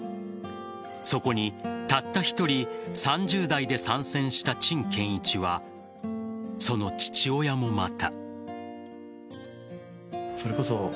そこに、たった１人３０代で参戦した陳建一はその父親もまた。